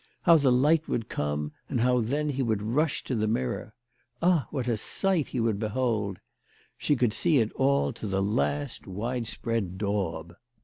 How the light would come, and how then he would rush to the mirror. Ah, what a sight he would behold ! She could see it all to the last widespread daub.